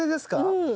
うん。